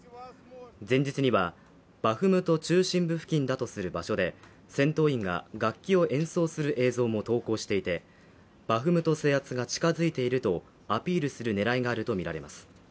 前日には、バフムト中心部付近だとする場所で、戦闘員が楽器を演奏する映像も投稿していてバフムト制圧が近づいているとアピールする狙いがあるとみられます。